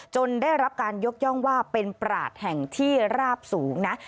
ได้รับการยกย่องว่าเป็นปราศแห่งที่ราบสูงนะ